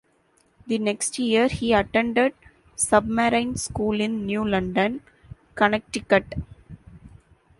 The next year he attended Submarine School in New London, Connecticut.